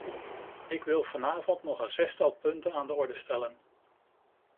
Ik wil vanavond nog een zestal punten aan de orde stellen.